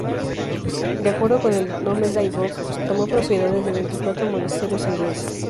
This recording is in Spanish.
De acuerdo con el Domesday Book, tomó propiedades de veinticuatro monasterios ingleses.